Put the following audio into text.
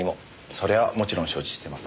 それはもちろん承知しています。